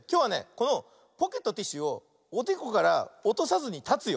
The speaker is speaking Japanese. このポケットティッシュをおでこからおとさずにたつよ。